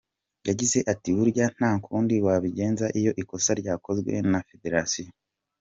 Yagize ati “Burya nta kundi wabigenza iyo ikosa ryakozwe na federasiyo.